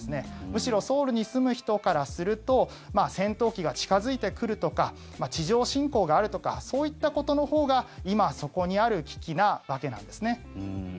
むしろソウルに住む人からすると戦闘機が近付いてくるとか地上侵攻があるとかそういったことのほうが今、そこにある危機なわけなんですね。